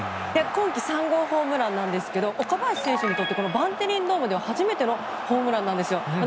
今季３号ホームランなんですけど岡林選手にとってバンテリンドームでは初めてのホームランなんですよ。